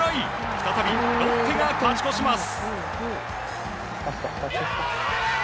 再び、ロッテが勝ち越します。